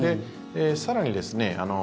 更にですね